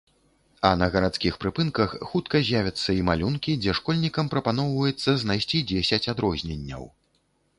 А на гарадскіх прыпынках хутка з'явяцца і малюнкі, дзе школьнікам прапаноўваецца знайсці дзесяць адрозненняў.